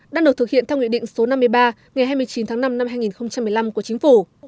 đang được thực hiện theo nghị định số năm mươi ba ngày hai mươi chín tháng năm năm hai nghìn một mươi năm của chính phủ